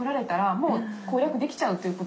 もう。